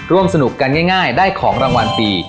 ร่วมสนุกกันง่ายได้ของรางวัลปี